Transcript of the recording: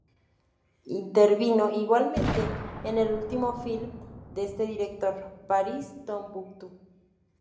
Intervino igualmente en el último filme de este director: "París-Tombuctú".